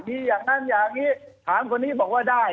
มีอย่างนั้นอย่างนี้ถามคนนี้บอกว่าได้